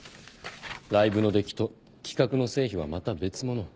ライブの出来と企画の成否はまた別物。